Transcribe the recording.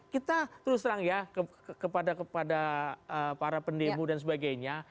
kita terus terang ya kepada para pendemo dan sebagainya